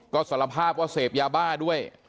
ก็สารภาพว่าเสพยาบ้าด้วย